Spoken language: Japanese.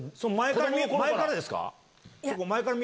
前からですか？